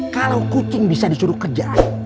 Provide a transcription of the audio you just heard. kalau kucing bisa disuruh kerja